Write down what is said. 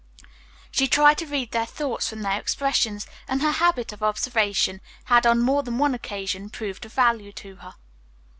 She tried to read their thoughts from their expressions, and her habit of observation had on more than one occasion proved of value to her.